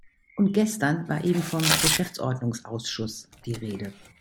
Und gestern war eben vom "Geschäftsordnungsausschuss" die Rede.